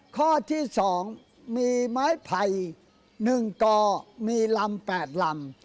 ข้อที่๒มีไม้ไผ่๑กอมีลำ๘ลำ